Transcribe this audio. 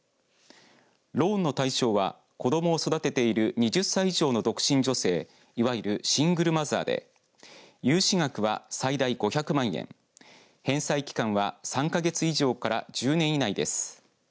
ローンの対象は子どもを育てている２０歳以上の独身女性、いわゆるシングルマザーで融資額は最大５００万円返済期間は３か月以上から１０年以内です。